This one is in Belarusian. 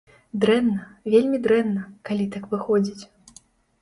Дрэнна, вельмі дрэнна, калі так выходзіць.